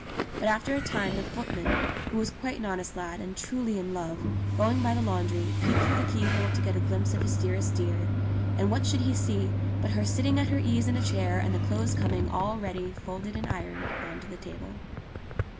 But after a time the footman, who was quite an honest lad and truly in love, going by the laundry peeped through the keyhole to get a glimpse of his dearest dear, and what should 68 ENGLISH FAIRY TALES he see but her sitting at her ease in a chair, and the clothes coming all ready folded and ironed on to the table.